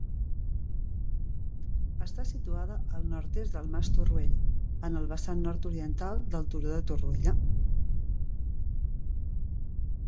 Està situada al nord-est del Mas Torroella, en el vessant nord-oriental del Turó de Torroella.